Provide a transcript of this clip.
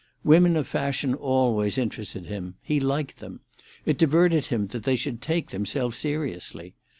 Women of fashion always interested him; he liked them; it diverted him that they should take themselves seriously.